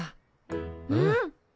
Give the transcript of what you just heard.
うん。